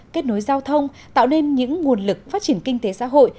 kết nối giao thông tạo nên những nguồn lực phát triển kinh tế xã hội